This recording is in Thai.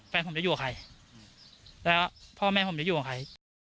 แฟนผมจะอยู่กับใครแล้วพ่อแม่ผมจะอยู่กับใคร